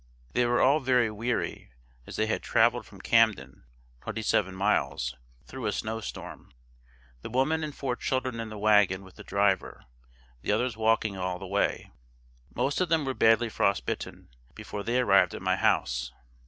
They were all very weary, as they had traveled from Camden (twenty seven miles), through a snowstorm; the woman and four children in the wagon with the driver, the others walking all the way. Most of them were badly frost bitten, before they arrived at my house.